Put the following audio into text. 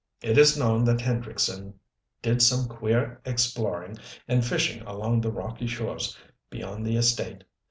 It is known that Hendrickson did some queer exploring and fishing along the rocky shores beyond the estate.